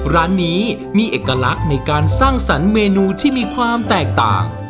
ร้านนี้มีเอกลักษณ์ในการสร้างสรรค์เมนูที่มีความแตกต่าง